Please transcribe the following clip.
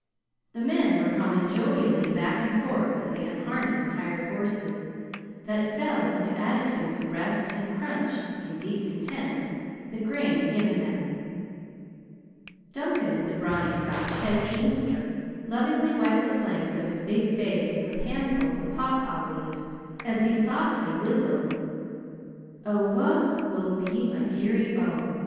The men were calling jovially back and forth as they unharnessed tired horses that fell into attitudes of rest and crunched, in deep content, the grain given them. Duncan, the brawny Scotch head teamster, lovingly wiped the flanks of his big bays with handfuls of pawpaw leaves, as he softly whistled, "O wha will be my dearie, O!"